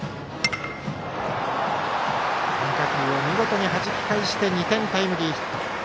変化球を見事にはじき返して２点タイムリーヒット。